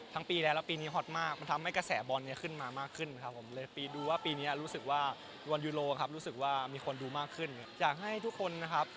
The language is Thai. แต่เชียร์อังกฤษครับ